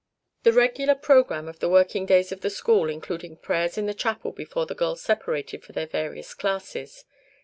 The regular program of the working days of the school included prayers in the chapel before the girls separated for their various classes.